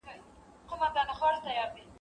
د مرګ سېل یې په غېږ کي دی باران په باور نه دی ..